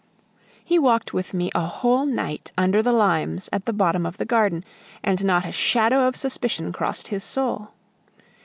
He walked with me a whole night under the limes at the bottom of the garden, and not a shadow of suspicion crossed his soul.